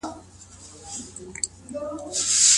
د لاس لیکنه د اړیکو په جوړولو کي احساسات لیږدوي.